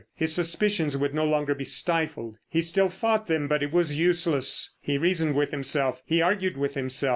His suspicions would no longer be stifled. He still fought them, but it was useless. He reasoned with himself, he argued with himself.